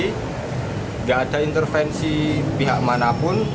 tidak ada intervensi pihak manapun